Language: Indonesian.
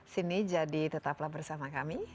sini jadi tetaplah bersama kami